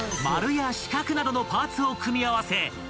［丸や四角などのパーツを組み合わせ